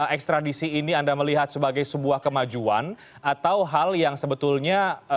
ekstradisi ini anda melihat sebagai sebuah kemajuan atau hal yang sebetulnya